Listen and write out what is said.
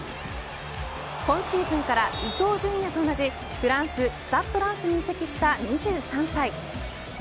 今シーズンから伊東純也と同じフランス、スタッドランスに移籍した２３歳。